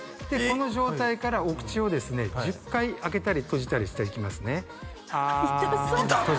この状態からお口をですね１０回開けたり閉じたりしていきますねあん